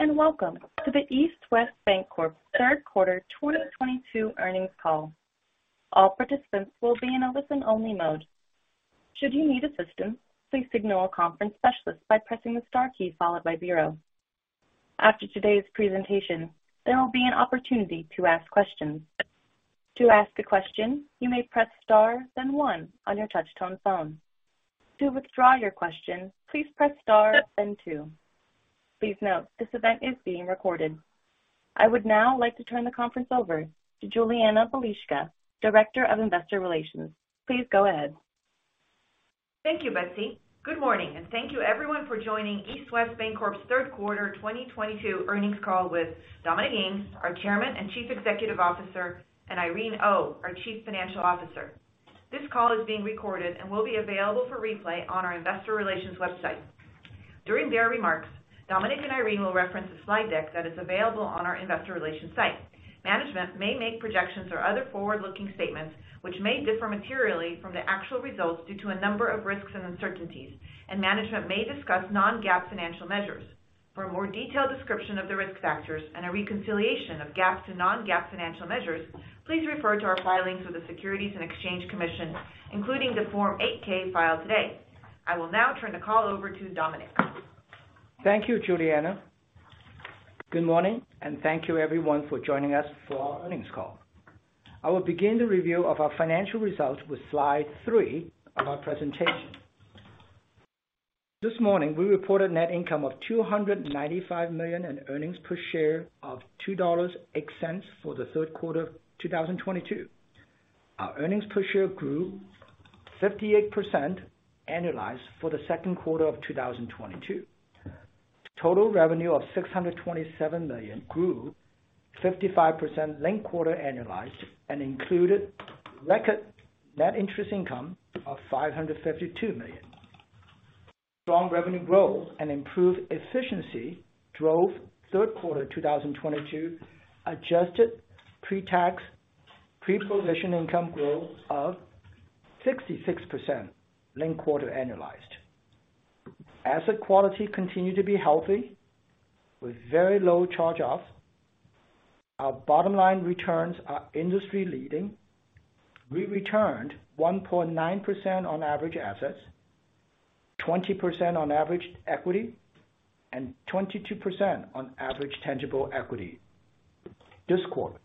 Good day and welcome to the East West Bancorp third quarter 2022 earnings call. All participants will be in a listen-only mode. Should you need assistance, please signal a conference specialist by pressing the star key followed by zero. After today's presentation, there will be an opportunity to ask questions. To ask a question, you may press star then one on your touch-tone phone. To withdraw your question, please press star then two. Please note this event is being recorded. I would now like to turn the conference over to Julianna Balicka, Director of Investor Relations. Please go ahead. Thank you, Betsy. Good morning and thank you everyone for joining East West Bancorp's third quarter 2022 earnings call with Dominic Ng, our Chairman and Chief Executive Officer, and Irene Oh, our Chief Financial Officer. This call is being recorded and will be available for replay on our investor relations website. During their remarks, Dominic and Irene will reference a slide deck that is available on our investor relations site. Management may make projections or other forward-looking statements which may differ materially from the actual results due to a number of risks and uncertainties, and management may discuss non-GAAP financial measures. For a more detailed description of the risk factors and a reconciliation of GAAP to non-GAAP financial measures, please refer to our filings with the Securities and Exchange Commission, including the Form 8-K filed today. I will now turn the call over to Dominic. Thank you, Julianna. Good morning and thank you everyone for joining us for our earnings call. I will begin the review of our financial results with slide three of our presentation. This morning, we reported net income of $295 million and earnings per share of $2.08 for the third quarter 2022. Our earnings per share grew 58% annualized for the second quarter of 2022. Total revenue of $627 million grew 55% linked quarter annualized and included record net interest income of $552 million. Strong revenue growth and improved efficiency drove third quarter 2022 adjusted pre-tax, pre-provision income growth of 66% linked quarter annualized. Asset quality continued to be healthy with very low charge-off. Our bottom line returns are industry leading. We returned 1.9% on average assets, 20% on average equity, and 22% on average tangible equity this quarter.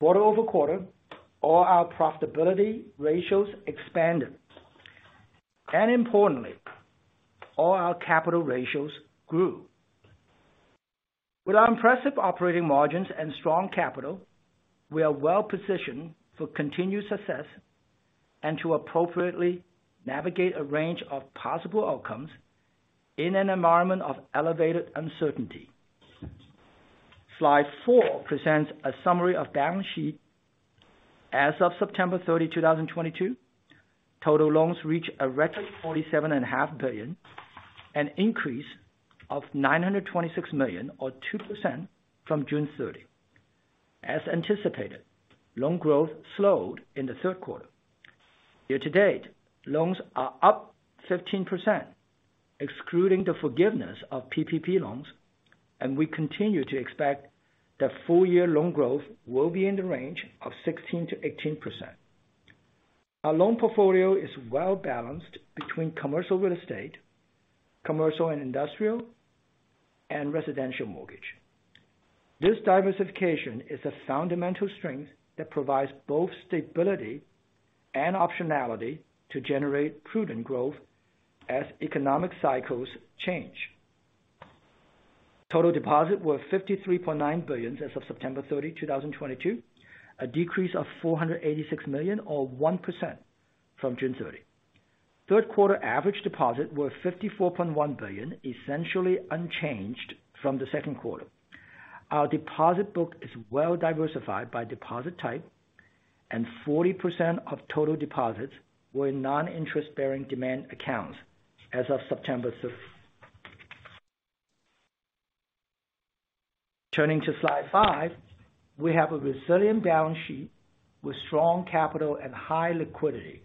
Quarter-over-quarter, all our profitability ratios expanded. Importantly, all our capital ratios grew. With our impressive operating margins and strong capital, we are well-positioned for continued success and to appropriately navigate a range of possible outcomes in an environment of elevated uncertainty. Slide four presents a summary of balance sheet. As of September 30, 2022, total loans reached a record $47.5 billion, an increase of $926 million or 2% from June 30. As anticipated, loan growth slowed in the third quarter. Year to date, loans are up 15%, excluding the forgiveness of PPP loans, and we continue to expect that full-year loan growth will be in the range of 16%-18%. Our loan portfolio is well-balanced between commercial real estate, commercial and industrial, and residential mortgage. This diversification is a fundamental strength that provides both stability and optionality to generate prudent growth as economic cycles change. Total deposits were $53.9 billion as of September 30, 2022, a decrease of $486 million or 1% from June 30. Third quarter average deposits were $54.1 billion, essentially unchanged from the second quarter. Our deposit book is well diversified by deposit type, and 40% of total deposits were in non-interest bearing demand accounts as of September 30. Turning to slide five, we have a resilient balance sheet with strong capital and high liquidity.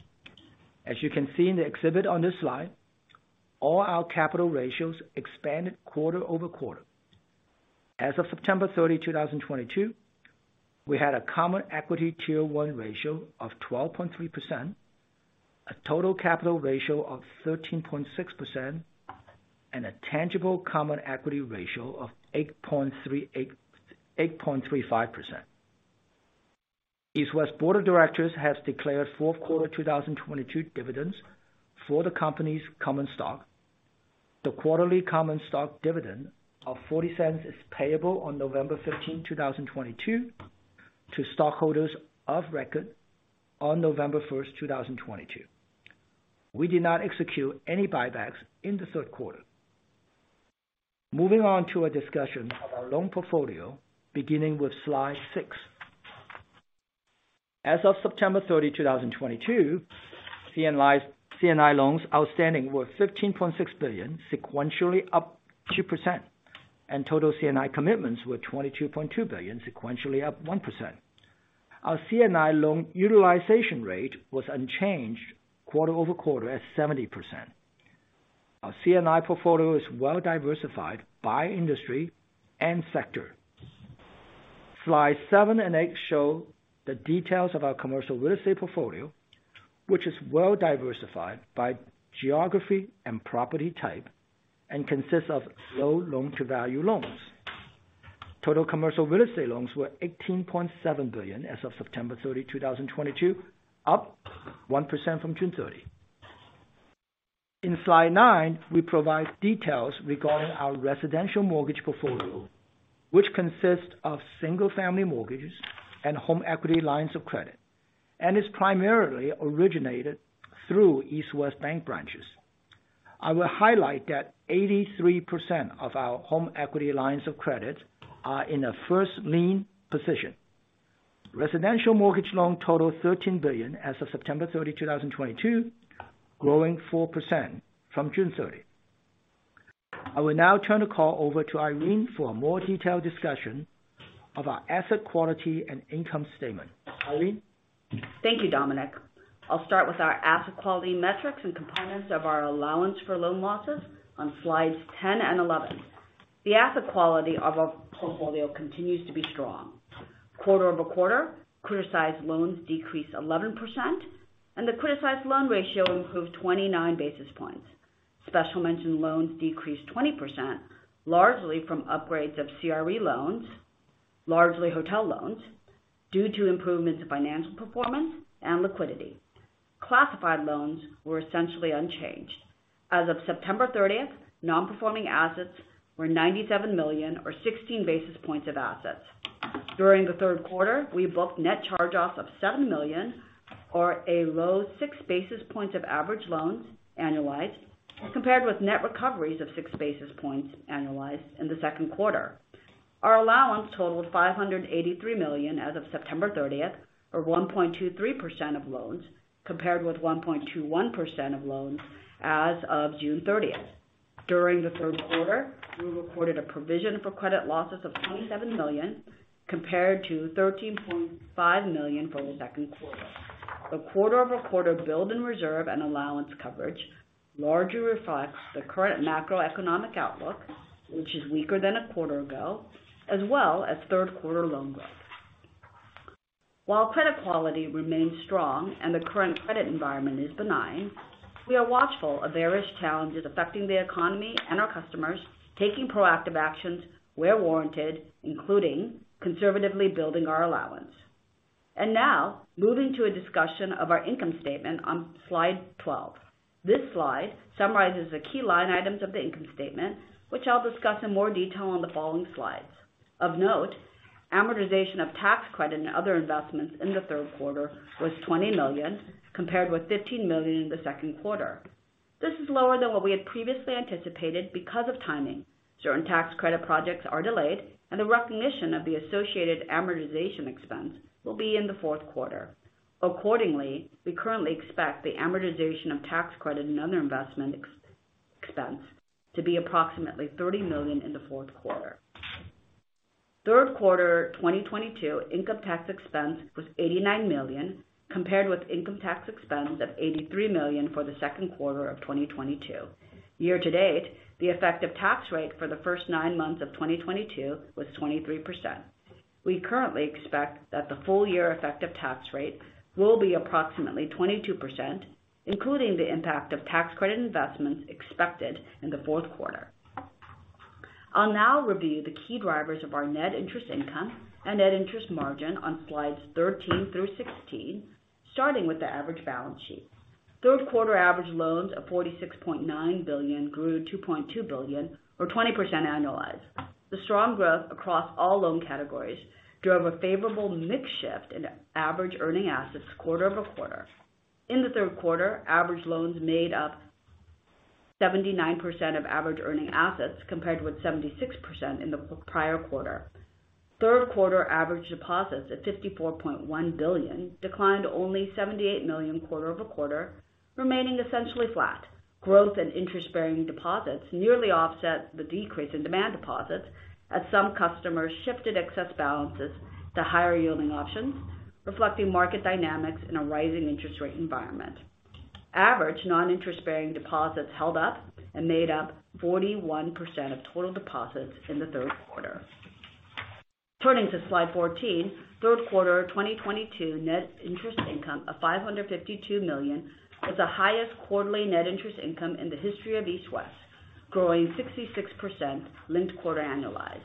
As you can see in the exhibit on this slide, all our capital ratios expanded quarter-over-quarter. As of September 30, 2022, we had a Common Equity Tier 1 ratio of 12.3%, a total capital ratio of 13.6%, and a tangible common equity ratio of 8.35%. East West Bancorp board of directors has declared fourth quarter 2022 dividends for the company's common stock. The quarterly common stock dividend of $0.40 is payable on November 15, 2022 to stockholders of record on November 1, 2022. We did not execute any buybacks in the third quarter. Moving on to a discussion of our loan portfolio beginning with slide six. As of September 30, 2022, C&I loans outstanding were $15.6 billion, sequentially up 2%, and total C&I commitments were $22.2 billion, sequentially up 1%. Our C&I loan utilization rate was unchanged quarter-over-quarter at 70%. Our C&I portfolio is well diversified by industry and sector. Slide seven and eight show the details of our commercial real estate portfolio, which is well diversified by geography and property type, and consists of low loan-to-value loans. Total commercial real estate loans were $18.7 billion as of September 30, 2022, up 1% from June 30. In Slide nine, we provide details regarding our residential mortgage portfolio, which consists of single-family mortgages and home equity lines of credit, and is primarily originated through East West Bank branches. I will highlight that 83% of our home equity lines of credit are in a first lien position. Residential mortgage loan total $13 billion as of September 30, 2022, growing 4% from June 30. I will now turn the call over to Irene for a more detailed discussion of our asset quality and income statement. Irene. Thank you, Dominic. I'll start with our asset quality metrics and components of our allowance for loan losses on slides 10 and 11. The asset quality of our portfolio continues to be strong. Quarter-over-quarter, criticized loans decreased 11% and the criticized loan ratio improved 29 basis points. Special mention loans decreased 20%, largely from upgrades of CRE loans, largely hotel loans, due to improvements in financial performance and liquidity. Classified loans were essentially unchanged. As of September thirtieth, non-performing assets were $97 million or 16 basis points of assets. During the third quarter, we booked net charge-offs of $7 million or a low 6 basis points of average loans annualized, compared with net recoveries of 6 basis points annualized in the second quarter. Our allowance totaled $583 million as of September 30, or 1.23% of loans, compared with 1.21% of loans as of June 30. During the third quarter, we recorded a provision for credit losses of $27 million, compared to $13.5 million for the second quarter. The quarter-over-quarter build in reserve and allowance coverage largely reflects the current macroeconomic outlook, which is weaker than a quarter ago, as well as third quarter loan growth. While credit quality remains strong and the current credit environment is benign, we are watchful of various challenges affecting the economy and our customers, taking proactive actions where warranted, including conservatively building our allowance. Now moving to a discussion of our income statement on slide 12. This slide summarizes the key line items of the income statement, which I'll discuss in more detail on the following slides. Of note, amortization of tax credit and other investments in the third quarter was $20 million, compared with $15 million in the second quarter. This is lower than what we had previously anticipated because of timing. Certain tax credit projects are delayed and the recognition of the associated amortization expense will be in the fourth quarter. Accordingly, we currently expect the amortization of tax credit and other investment expense to be approximately $30 million in the fourth quarter. Third quarter 2022 income tax expense was $89 million, compared with income tax expense of $83 million for the second quarter of 2022. Year to date, the effective tax rate for the first nine months of 2022 was 23%. We currently expect that the full year effective tax rate will be approximately 22%, including the impact of tax credit investments expected in the fourth quarter. I'll now review the key drivers of our net interest income and net interest margin on slides 13 through 16, starting with the average balance sheet. Third quarter average loans of $46.9 billion grew $2.2 billion or 20% annualized. The strong growth across all loan categories drove a favorable mix shift in average earning assets quarter-over-quarter. In the third quarter, average loans made up 79% of average earning assets, compared with 76% in the prior quarter. Third quarter average deposits at $54.1 billion declined only $78 million quarter-over-quarter, remaining essentially flat. Growth in interest-bearing deposits nearly offset the decrease in demand deposits as some customers shifted excess balances to higher yielding options, reflecting market dynamics in a rising interest rate environment. Average non-interest-bearing deposits held up and made up 41% of total deposits in the third quarter. Turning to slide 14. Third quarter 2022 net interest income of $552 million was the highest quarterly net interest income in the history of East West Bancorp, growing 66% linked-quarter annualized.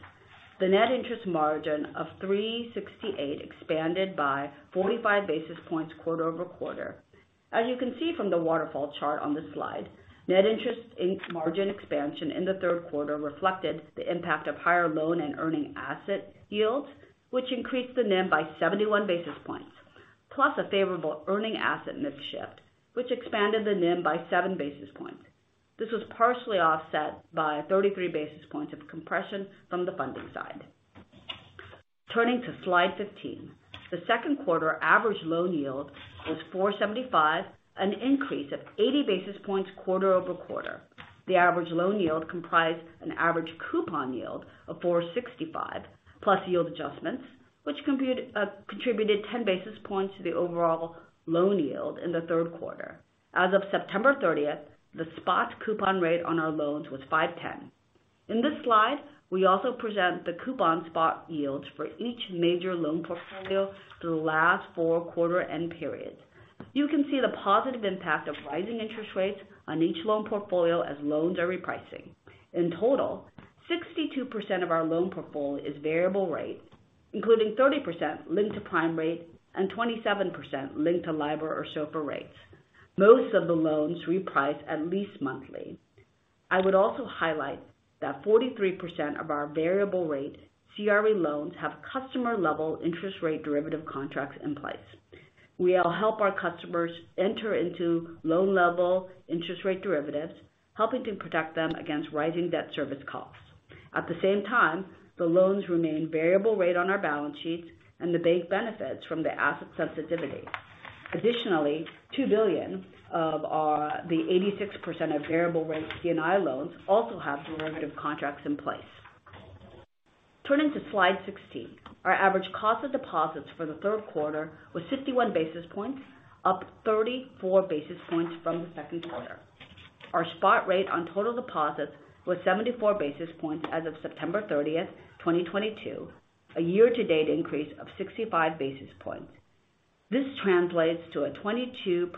The net interest margin of 3.68% expanded by 45 basis points quarter-over-quarter. As you can see from the waterfall chart on this slide, net interest income and margin expansion in the third quarter reflected the impact of higher loan and earning asset yields, which increased the NIM by 71 basis points, plus a favorable earning asset mix shift, which expanded the NIM by 7 basis points. This was partially offset by 33 basis points of compression from the funding side. Turning to slide 15. The second quarter average loan yield was 4.75%, an increase of 80 basis points quarter-over-quarter. The average loan yield comprised an average coupon yield of 4.65% plus yield adjustments, which contributed 10 basis points to the overall loan yield in the third quarter. As of September thirtieth, the spot coupon rate on our loans was 5.10%. In this slide, we also present the coupon spot yields for each major loan portfolio through the last 4 quarter-end periods. You can see the positive impact of rising interest rates on each loan portfolio as loans are repricing. In total, 62% of our loan portfolio is variable rate, including 30% linked to prime rate and 27% linked to LIBOR or SOFR rates. Most of the loans reprice at least monthly. I would also highlight that 43% of our variable rate CRE loans have customer-level interest rate derivative contracts in place. We all help our customers enter into loan-level interest rate derivatives, helping to protect them against rising debt service costs. At the same time, the loans remain variable rate on our balance sheets and the bank benefits from the asset sensitivity. Additionally, $2 billion of our, the 86% of variable rate C&I loans also have derivative contracts in place. Turning to slide 16. Our average cost of deposits for the third quarter was 51 basis points, up 34 basis points from the second quarter. Our spot rate on total deposits was 74 basis points as of September 30, 2022, a year-to-date increase of 65 basis points. This translates to a 22%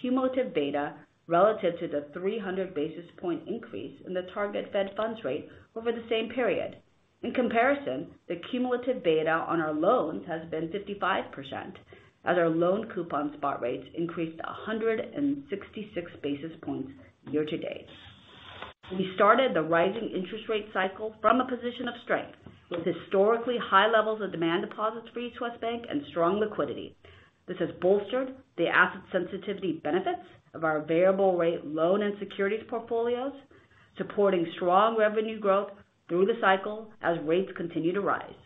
cumulative beta relative to the 300 basis point increase in the target Fed funds rate over the same period. In comparison, the cumulative beta on our loans has been 55% as our loan coupon spot rates increased 166 basis points year-to-date. We started the rising interest rate cycle from a position of strength, with historically high levels of demand deposits for East West Bank and strong liquidity. This has bolstered the asset sensitivity benefits of our variable rate loan and securities portfolios, supporting strong revenue growth through the cycle as rates continue to rise.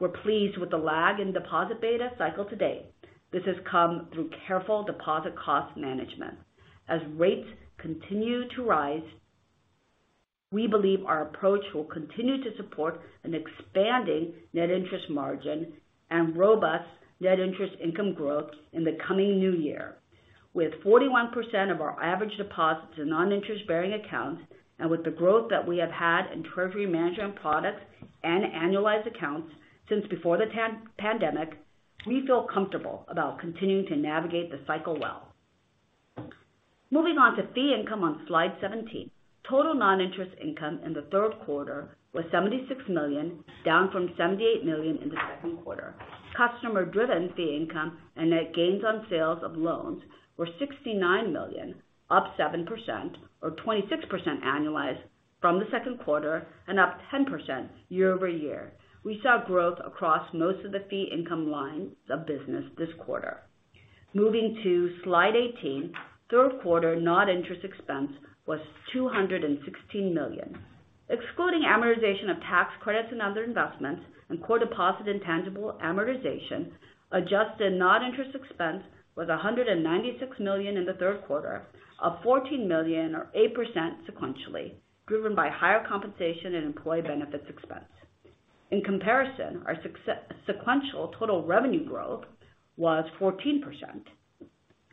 We're pleased with the lag in deposit beta cycle to date. This has come through careful deposit cost management. As rates continue to rise, we believe our approach will continue to support an expanding net interest margin and robust net interest income growth in the coming new year. With 41% of our average deposits in non-interest bearing accounts, and with the growth that we have had in treasury management products and analyzed accounts since before the pandemic, we feel comfortable about continuing to navigate the cycle well. Moving on to fee income on slide 17. Total non-interest income in the third quarter was $76 million, down from $78 million in the second quarter. Customer-driven fee income and net gains on sales of loans were $69 million, up 7% or 26% annualized from the second quarter and up 10% year-over-year. We saw growth across most of the fee income lines of business this quarter. Moving to slide 18. Third quarter noninterest expense was $216 million. Excluding amortization of tax credits and other investments and Core Deposit Intangible amortization, adjusted noninterest expense was $196 million in the third quarter, up $14 million or 8% sequentially, driven by higher compensation and employee benefits expense. In comparison, our sequential total revenue growth was 14%,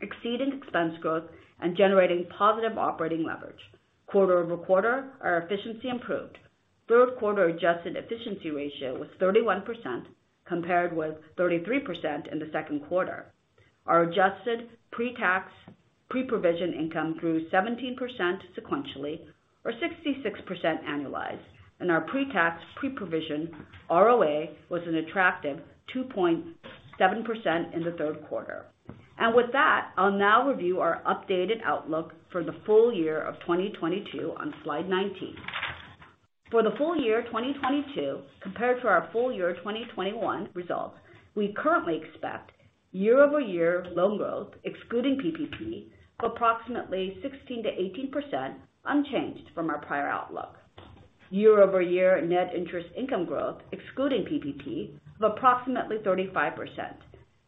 exceeding expense growth and generating positive operating leverage. Quarter-over-quarter, our efficiency improved. Third quarter adjusted efficiency ratio was 31%, compared with 33% in the second quarter. Our adjusted pre-tax, pre-provision income grew 17% sequentially, or 66% annualized, and our pre-tax, pre-provision ROA was an attractive 2.7% in the third quarter. With that, I'll now review our updated outlook for the full year of 2022 on slide 19. For the full year 2022, compared to our full year 2021 results, we currently expect year-over-year loan growth excluding PPP of approximately 16%-18%, unchanged from our prior outlook. Year-over-year net interest income growth excluding PPP of approximately 35%.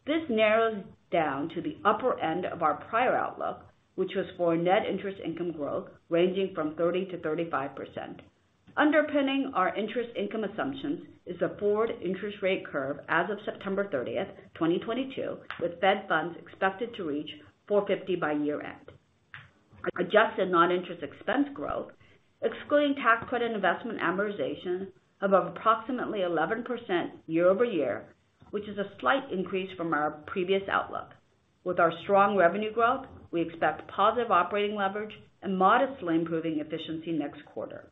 This narrows down to the upper end of our prior outlook, which was for net interest income growth ranging from 30%-35%. Underpinning our interest income assumptions is the forward interest rate curve as of September 30, 2022, with Fed funds expected to reach 450 basis points by year-end. Adjusted non-interest expense growth, excluding tax credit investment amortization of approximately 11% year-over-year, which is a slight increase from our previous outlook. With our strong revenue growth, we expect positive operating leverage and modestly improving efficiency next quarter.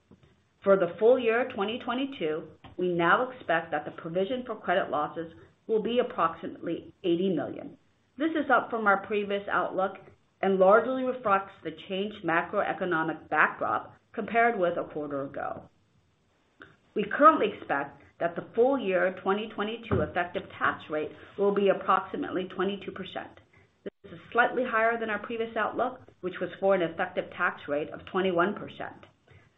For the full year 2022, we now expect that the provision for credit losses will be approximately $80 million. This is up from our previous outlook and largely reflects the changed macroeconomic backdrop compared with a quarter ago. We currently expect that the full year 2022 effective tax rate will be approximately 22%. This is slightly higher than our previous outlook, which was for an effective tax rate of 21%.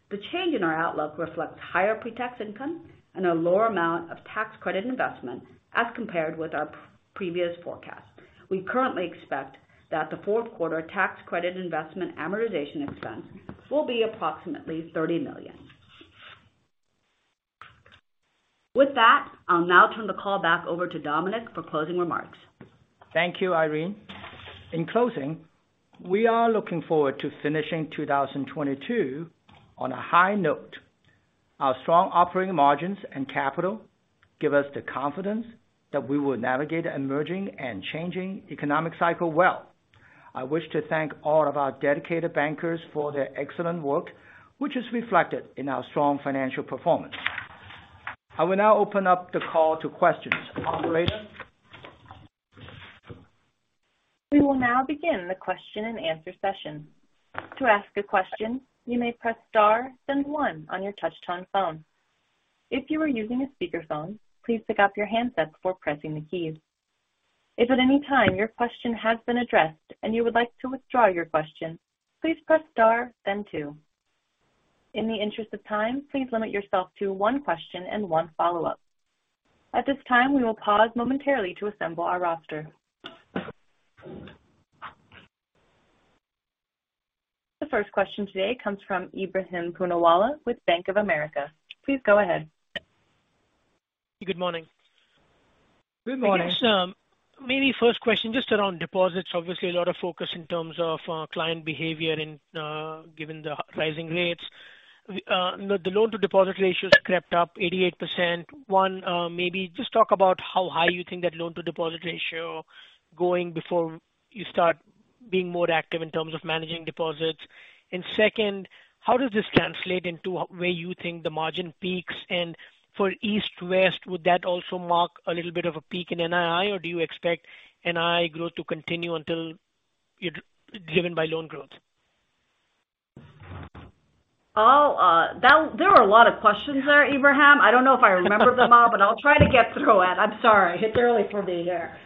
The change in our outlook reflects higher pre-tax income and a lower amount of tax credit investment as compared with our previous forecast. We currently expect that the fourth quarter tax credit investment amortization expense will be approximately $30 million. With that, I'll now turn the call back over to Dominic for closing remarks. Thank you, Irene. In closing, we are looking forward to finishing 2022 on a high note. Our strong operating margins and capital give us the confidence that we will navigate emerging and changing economic cycle well. I wish to thank all of our dedicated bankers for their excellent work, which is reflected in our strong financial performance. I will now open up the call to questions. Operator? We will now begin the question-and-answer session. To ask a question, you may press star then one on your touchtone phone. If you are using a speakerphone, please pick up your handset before pressing the keys. If at any time your question has been addressed and you would like to withdraw your question, please press star then two. In the interest of time, please limit yourself to one question and one follow-up. At this time, we will pause momentarily to assemble our roster. The first question today comes from Ebrahim Poonawala with Bank of America. Please go ahead. Good morning. Good morning. I guess, maybe first question just around deposits. Obviously, a lot of focus in terms of, client behavior and, given the rising rates. The loan to deposit ratio crept up 88%. One, maybe just talk about how high you think that loan to deposit ratio going before you start being more active in terms of managing deposits. Second, how does this translate into where you think the margin peaks? For East West, would that also mark a little bit of a peak in NII, or do you expect NII growth to continue until you're driven by loan growth? There are a lot of questions there, Ebrahim. I don't know if I remember them all, but I'll try to get through it. I'm sorry. It's early for me here.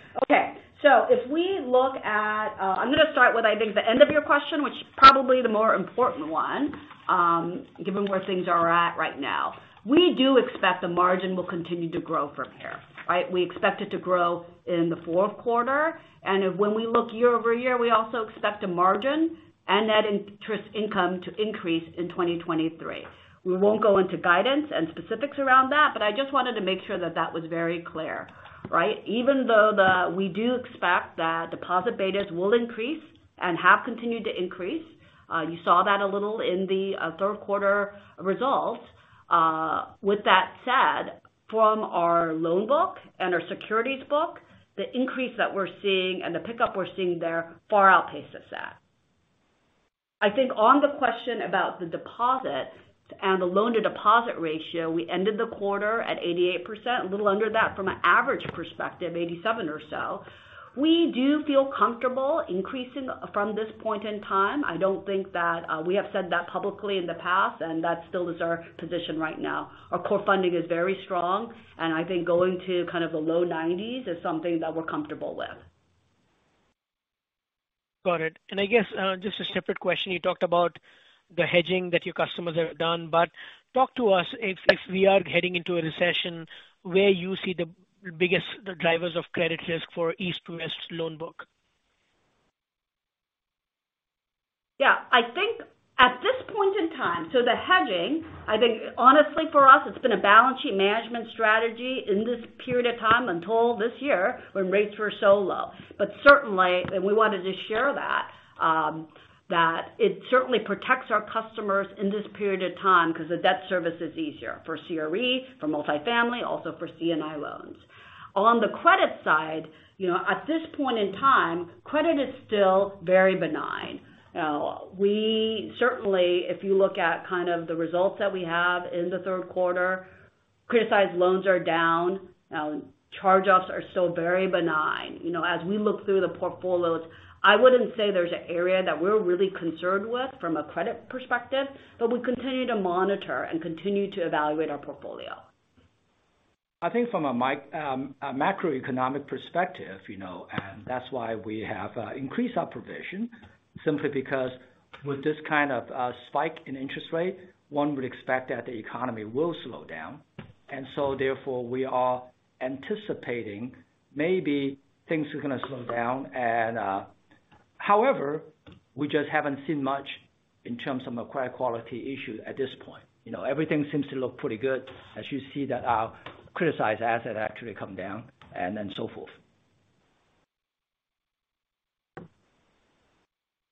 Okay. If we look at, I'm gonna start with, I think, the end of your question, which is probably the more important one, given where things are at right now. We do expect the margin will continue to grow from here, right? We expect it to grow in the fourth quarter. When we look year-over-year, we also expect the margin and net interest income to increase in 2023. We won't go into guidance and specifics around that, but I just wanted to make sure that was very clear, right? Even though we do expect that deposit betas will increase and have continued to increase, you saw that a little in the third quarter results. With that said, from our loan book and our securities book, the increase that we're seeing and the pickup we're seeing there far outpaces that. I think on the question about the deposits and the loan to deposit ratio, we ended the quarter at 88%, a little under that from an average perspective, 87 or so. We do feel comfortable increasing from this point in time. I don't think that we have said that publicly in the past, and that still is our position right now. Our core funding is very strong, and I think going to kind of the low 90s is something that we're comfortable with. Got it. I guess, just a separate question. You talked about the hedging that your customers have done, but talk to us if we are heading into a recession where you see the biggest drivers of credit risk for East West loan book. Yeah. I think at this point in time, so the hedging, I think honestly for us, it's been a balance sheet management strategy in this period of time until this year when rates were so low. Certainly, we wanted to share that it certainly protects our customers in this period of time because the debt service is easier for CRE, for multifamily, also for C&I loans. On the credit side, you know, at this point in time, credit is still very benign. We certainly, if you look at kind of the results that we have in the third quarter, criticized loans are down. Charge-offs are still very benign. You know, as we look through the portfolios, I wouldn't say there's an area that we're really concerned with from a credit perspective, but we continue to monitor and continue to evaluate our portfolio. I think from a macroeconomic perspective, you know, and that's why we have increased our provision simply because with this kind of spike in interest rate, one would expect that the economy will slow down. Therefore, we are anticipating maybe things are gonna slow down. However, we just haven't seen much in terms of credit quality issues at this point. You know, everything seems to look pretty good as you see that our criticized asset actually come down and then so forth.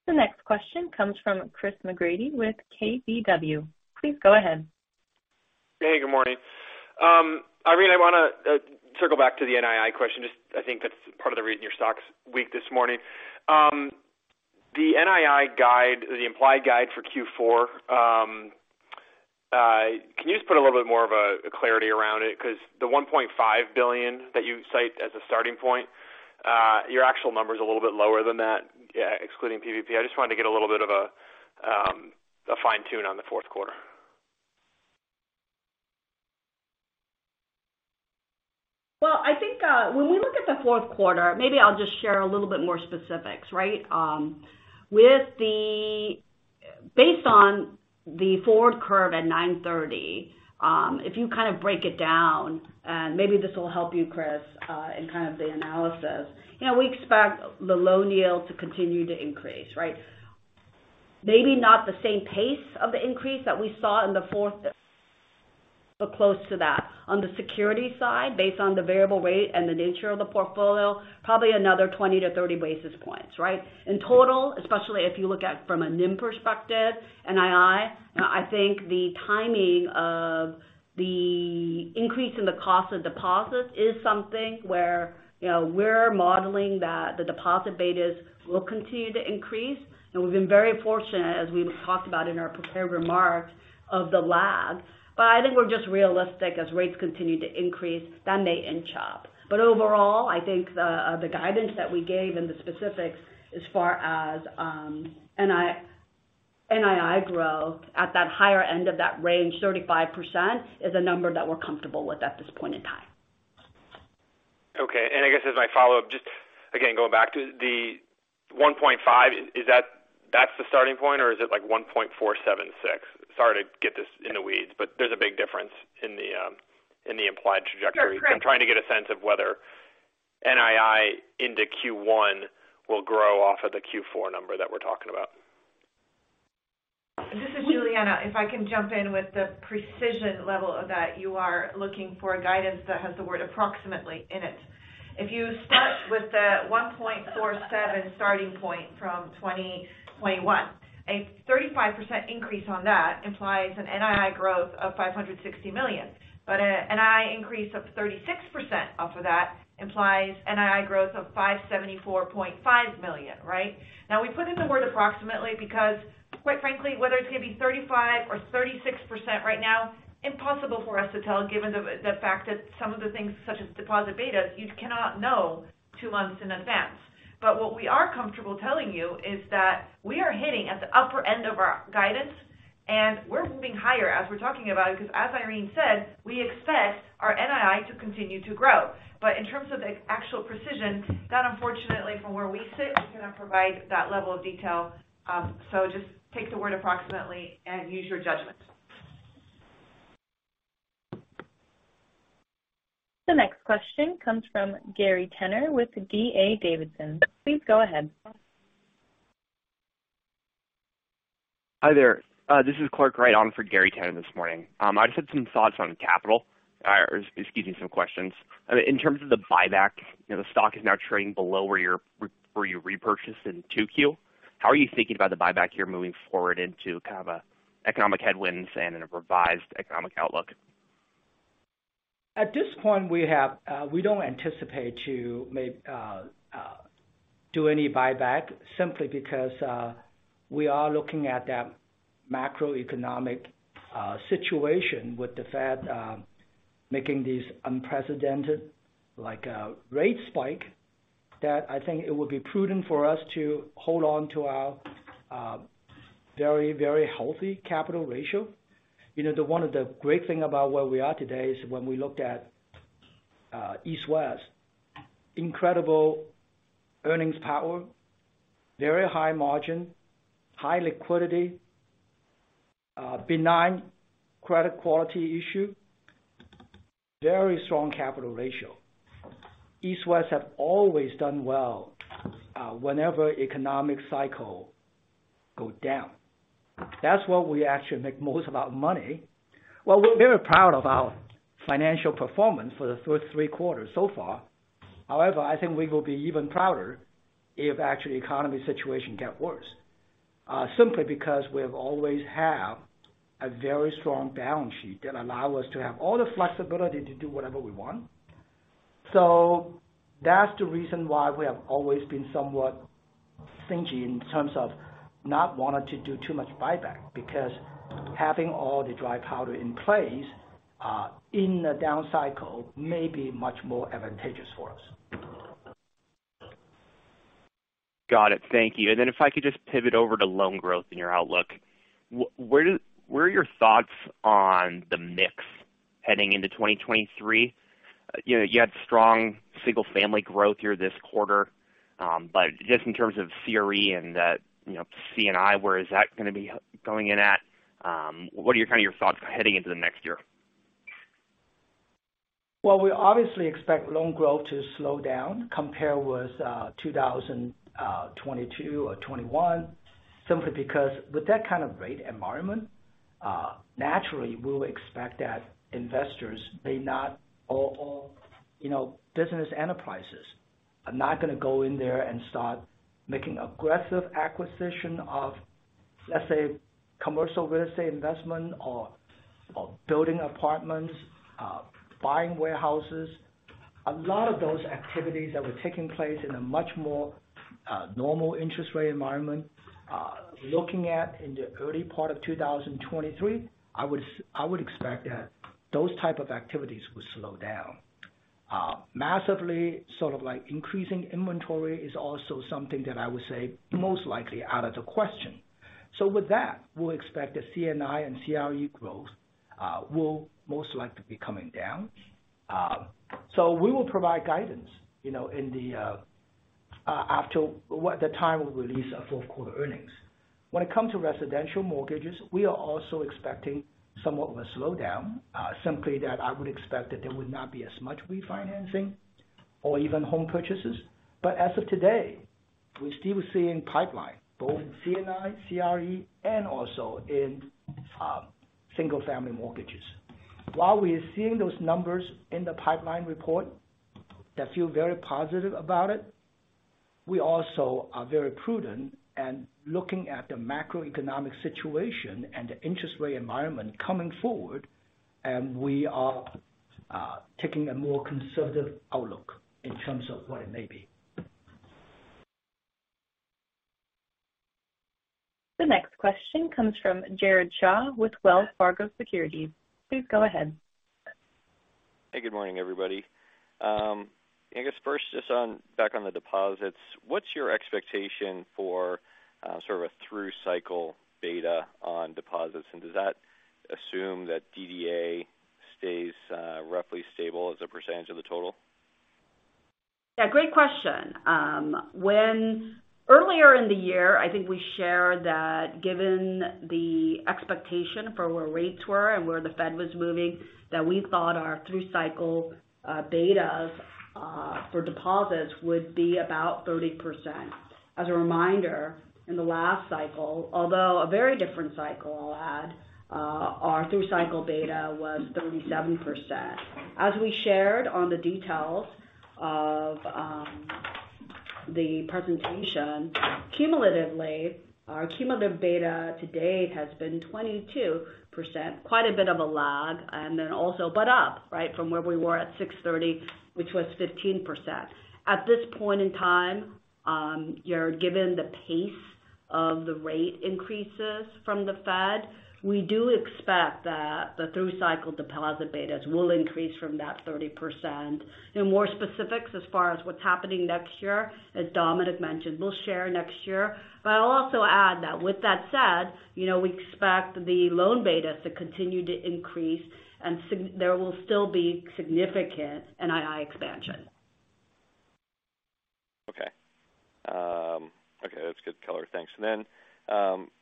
The next question comes from Chris McGratty with KBW. Please go ahead. Hey, good morning. Irene, I wanna circle back to the NII question. Just I think that's part of the reason your stock's weak this morning. The NII guide, the implied guide for Q4, can you just put a little bit more of a clarity around it? Because the $1.5 billion that you cite as a starting point, your actual number is a little bit lower than that, yeah, excluding PPP. I just wanted to get a little bit of a fine tune on the fourth quarter. When we look at the fourth quarter, maybe I'll just share a little bit more specifics, right? Based on the forward curve at 9/30., if you kind of break it down, and maybe this will help you, Chris, in kind of the analysis. You know, we expect the loan yield to continue to increase, right? Maybe not the same pace of the increase that we saw in the fourth, but close to that. On the security side, based on the variable rate and the nature of the portfolio, probably another 20-30 basis points, right? In total, especially if you look at from a NIM perspective, NII, I think the timing of the increase in the cost of deposits is something where, you know, we're modeling that the deposit betas will continue to increase. We've been very fortunate, as we talked about in our prepared remarks, of the lag, but I think we're just realistic as rates continue to increase, that may inch up. Overall, I think the guidance that we gave and the specifics as far as NII growth at that higher end of that range, 35% is a number that we're comfortable with at this point in time. Okay. I guess as my follow-up, just again, going back to the 1.5%, is that's the starting point or is it like 1.476%? Sorry to get this in the weeds, but there's a big difference in the, in the implied trajectory. Sure. I'm trying to get a sense of whether NII into Q1 will grow off of the Q4 number that we're talking about. This is Julianna Balicka. If I can jump in with the precision level of that you are looking for guidance that has the word approximately in it. If you start with the 1.47 starting point from 2021, a 35% increase on that implies an NII growth of $560 million. But a NII increase of 36% off of that implies NII growth of $574.5 million, right? Now we put in the word approximately because quite frankly whether it's going to be 35% or 36% right now, impossible for us to tell given the fact that some of the things such as deposit betas, you cannot know two months in advance. What we are comfortable telling you is that we are hitting at the upper end of our guidance and we're moving higher as we're talking about it because as Irene said, we expect our NII to continue to grow. In terms of the actual precision, that unfortunately from where we sit, we cannot provide that level of detail. Just take the word approximately and use your judgment. The next question comes from Gary Tenner with D.A. Davidson. Please go ahead. Hi there. This is Clark Wright on for Gary Tenner this morning. I just had some thoughts on capital. Or excuse me, some questions. In terms of the buyback, you know, the stock is now trading below where you're, where you repurchased in 2Q. How are you thinking about the buyback here moving forward into kind of an economic headwinds and in a revised economic outlook? At this point, we don't anticipate to do any buyback simply because we are looking at that macroeconomic situation with the Fed making these unprecedented like a rate spike that I think it would be prudent for us to hold on to our very healthy capital ratio. You know, one of the great thing about where we are today is when we looked at East West incredible earnings power, very high margin, high liquidity, benign credit quality issue, very strong capital ratio. East West have always done well whenever economic cycle go down. That's where we actually make most of our money. Well, we're very proud of our financial performance for the first three quarters so far. However, I think we will be even prouder if actually economy situation get worse, simply because we've always have a very strong balance sheet that allow us to have all the flexibility to do whatever we want. That's the reason why we have always been somewhat stingy in terms of not wanting to do too much buyback because having all the dry powder in place, in a down cycle may be much more advantageous for us. Got it. Thank you. If I could just pivot over to loan growth in your outlook. Where are your thoughts on the mix heading into 2023? You know, you had strong single-family growth here this quarter. Just in terms of CRE and, you know, C&I, where is that going to be going in at? What are your kind of thoughts heading into the next year? Well, we obviously expect loan growth to slow down compared with 2022 or 2021 simply because with that kind of rate environment, naturally we'll expect that investors may not or you know, business enterprises are not going to go in there and start making aggressive acquisition of, let's say, commercial real estate investment or building apartments, buying warehouses. A lot of those activities that were taking place in a much more normal interest rate environment. Looking at in the early part of 2023, I would expect that those type of activities will slow down. Massively sort of like increasing inventory is also something that I would say most likely out of the question. With that, we'll expect the C&I and CRE growth will most likely be coming down. We will provide guidance, you know, at the time we release our fourth quarter earnings. When it comes to residential mortgages, we are also expecting somewhat of a slowdown, simply that I would expect that there would not be as much refinancing or even home purchases. As of today, we're still seeing pipeline both in C&I, CRE, and also in single-family mortgages. While we are seeing those numbers in the pipeline report that feel very positive about it, we also are very prudent and looking at the macroeconomic situation and the interest rate environment coming forward, and we are taking a more conservative outlook in terms of what it may be. The next question comes from Jared Shaw with Wells Fargo Securities. Please go ahead. Hey, good morning, everybody. I guess first just back on the deposits, what's your expectation for sort of a through cycle data on deposits? Does that assume that DDA stays roughly stable as a percentage of the total? Yeah, great question. Earlier in the year, I think we shared that given the expectation for where rates were and where the Fed was moving, that we thought our through cycle betas for deposits would be about 30%. As a reminder, in the last cycle, although a very different cycle I'll add, our through cycle beta was 37%. As we shared on the details of the presentation, cumulatively, our cumulative beta to date has been 22%. Quite a bit of a lag, and then also but up, right, from where we were at 6/30, which was 15%. At this point in time, given the pace of the rate increases from the Fed. We do expect that the through cycle deposit betas will increase from that 30%. You know, more specifics as far as what's happening next year, as Dominic mentioned, we'll share next year. I'll also add that with that said, you know, we expect the loan betas to continue to increase and there will still be significant NII expansion. Okay, that's good color. Thanks.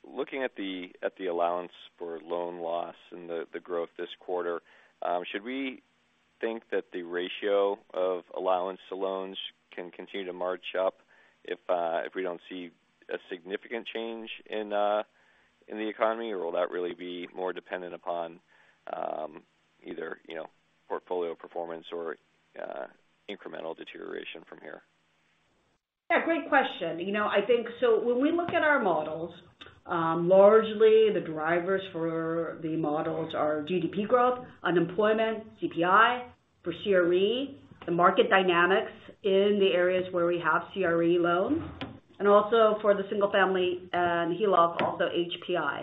Looking at the allowance for loan loss and the growth this quarter, should we think that the ratio of allowance to loans can continue to march up if we don't see a significant change in the economy? Or will that really be more dependent upon either you know, portfolio performance or incremental deterioration from here? Yeah, great question. You know, I think so when we look at our models, largely the drivers for the models are GDP growth, unemployment, CPI for CRE, the market dynamics in the areas where we have CRE loans, and also for the single family and HELOC, also HPI.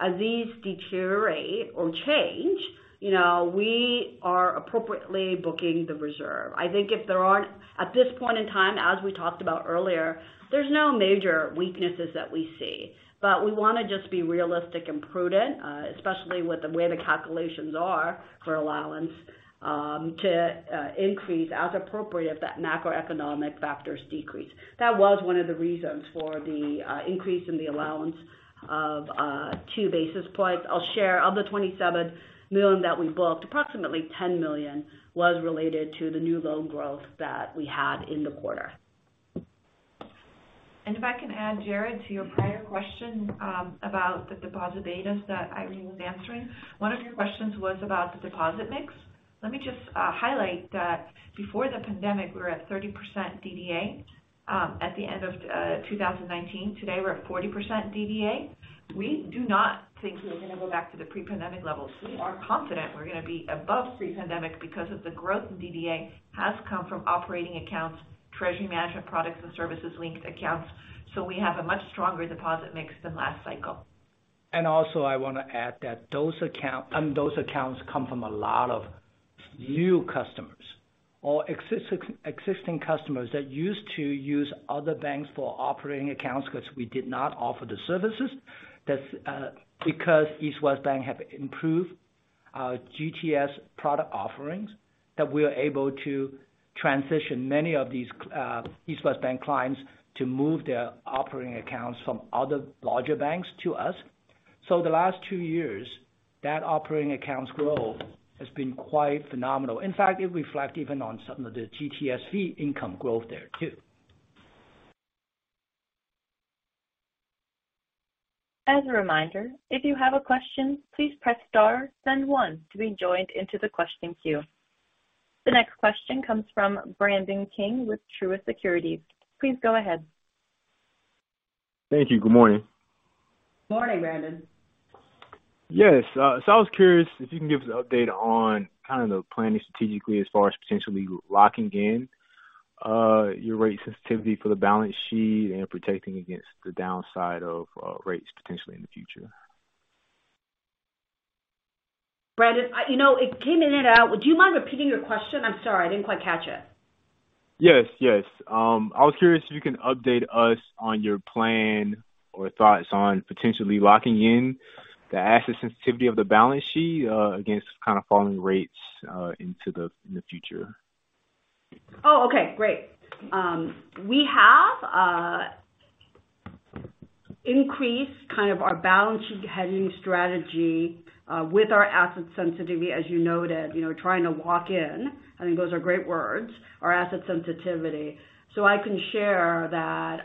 As these deteriorate or change, you know, we are appropriately booking the reserve. I think at this point in time, as we talked about earlier, there's no major weaknesses that we see. But we wanna just be realistic and prudent, especially with the way the calculations are for allowance, to increase as appropriate if that macroeconomic factors decrease. That was one of the reasons for the increase in the allowance of two basis points. I'll share, of the $27 million that we booked, approximately $10 million was related to the new loan growth that we had in the quarter. If I can add, Jared, to your prior question about the deposit betas that Irene was answering. One of your questions was about the deposit mix. Let me just highlight that before the pandemic, we were at 30% DDA at the end of 2019. Today, we're at 40% DDA. We do not think we're gonna go back to the pre-pandemic levels. We are confident we're gonna be above pre-pandemic because of the growth in DDA has come from operating accounts, treasury management products and services linked accounts. So we have a much stronger deposit mix than last cycle. Also I wanna add that those accounts come from a lot of new customers or existing customers that used to use other banks for operating accounts because we did not offer the services. That's because East West Bank have improved our GTS product offerings, that we are able to transition many of these East West Bank clients to move their operating accounts from other larger banks to us. The last two years, that operating accounts growth has been quite phenomenal. In fact, it reflect even on some of the GTS fee income growth there too. As a reminder, if you have a question, please press star then one to be joined into the question queue. The next question comes from Brandon King with Truist Securities. Please go ahead. Thank you. Good morning. Morning, Brandon. Yes. I was curious if you can give us an update on kind of the planning strategically as far as potentially locking in your rate sensitivity for the balance sheet and protecting against the downside of rates potentially in the future? Brandon, you know, it came in and out. Would you mind repeating your question? I'm sorry, I didn't quite catch it. Yes, yes. I was curious if you can update us on your plan or thoughts on potentially locking in the asset sensitivity of the balance sheet against kind of falling rates into the future. Oh, okay, great. We have increased kind of our balance sheet hedging strategy with our asset sensitivity, as you noted, you know, trying to lock in, I think those are great words, our asset sensitivity. I can share that,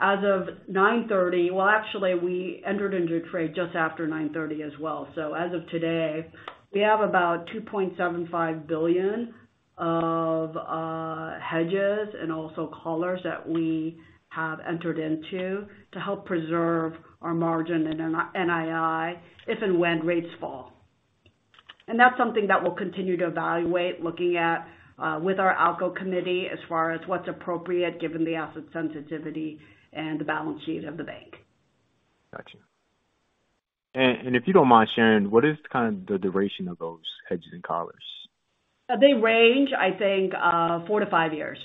as of 9/30. Well, actually we entered into a trade just after 9/30 as well. As of today, we have about $2.75 billion of hedges and also collars that we have entered into to help preserve our margin and NII if and when rates fall. That's something that we'll continue to evaluate, looking at with our ALCO committee as far as what's appropriate given the asset sensitivity and the balance sheet of the bank. Gotcha. If you don't mind sharing, what is kind of the duration of those hedges and collars? They range, I think, 4-5 years.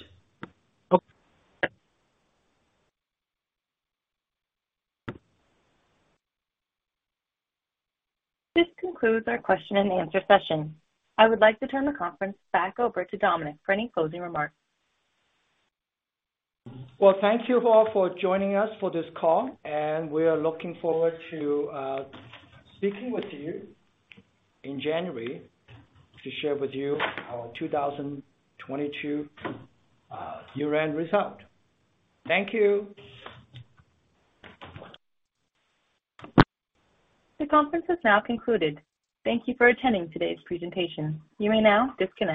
Okay. This concludes our question and answer session. I would like to turn the conference back over to Dominic for any closing remarks. Well, thank you all for joining us for this call, and we are looking forward to speaking with you in January to share with you our 2022 year-end result. Thank you. The conference has now concluded. Thank you for attending today's presentation. You may now disconnect.